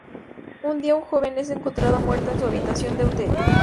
Un día una joven es encontrada muerta en su habitación de hotel.